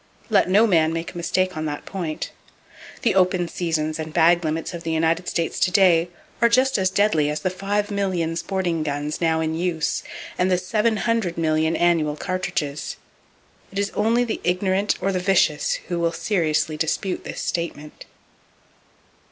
Let no man make a mistake on that point. The "open seasons" and "bag limits" of the United States to day are just as deadly as the 5,000,000 sporting guns now in use, and the 700,000,000 annual cartridges. It is only the ignorant or the vicious who will seriously dispute this statement.